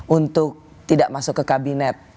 untuk tidak masuk ke kabinet